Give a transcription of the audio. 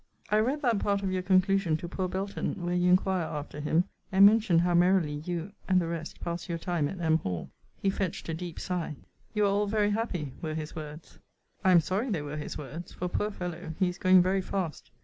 I read that part of your conclusion to poor Belton, where you inquire after him, and mention how merrily you and the rest pass your time at M. Hall. He fetched a deep sigh: You are all very happy! were his words. I am sorry they were his words; for, poor fellow, he is going very fast.